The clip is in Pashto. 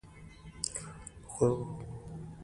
په خوږو کې افراط د غاښونو د خرابوالي لامل کېږي.